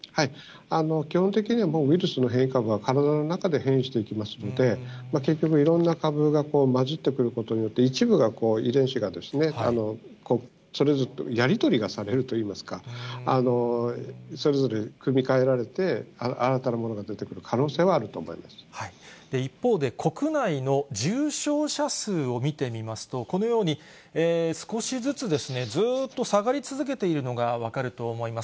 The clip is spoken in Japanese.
基本的には、もうウイルスの変異株は、体の中で変異していきますので、結局、いろんな株が混じってくることによって、一部がこう、遺伝子がですね、それぞれやり取りがされるといいますか、それぞれ組み換えられて、新たなものが出てくる可能性はあると思一方で、国内の重症者数を見てみますと、このように、少しずつですね、ずっと下がり続けているのが分かると思います。